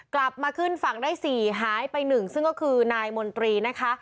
กลับมาขึ้นฝั่งได้๔หายไป๑ซึ่งก็คือนายมนตรีนะคะ